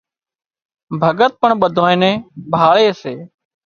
ڀڳت پڻ ٻڌانئين نين ڀاۯي سي